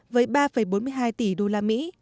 với ba bốn mươi hai tỷ usd